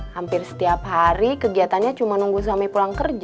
hampir setiap hari kegiatannya cuma nunggu suami pulang kerja